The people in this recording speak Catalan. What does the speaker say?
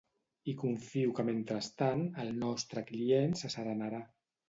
I confio que mentrestant el nostre client s'asserenarà.